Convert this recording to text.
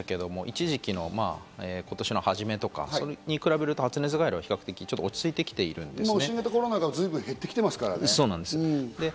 ＶＴＲでもありましたけど、一時期の今年の初めとかに比べると発熱外来は比較的、落ち着いてきているんですね。